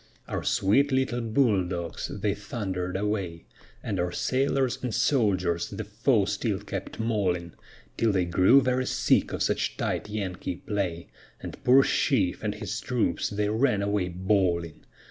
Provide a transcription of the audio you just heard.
Our sweet little bull dogs, they thunder'd away, And our sailors and soldiers the foe still kept mauling, Till they grew very sick of such tight Yankee play, And poor Sheaffe and his troops then ran away bawling.